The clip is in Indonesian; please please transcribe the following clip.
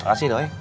terima kasih doi